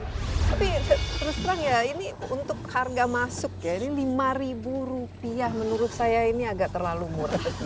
tapi terus terang ya ini untuk harga masuk ya ini lima ribu rupiah menurut saya ini agak terlalu murah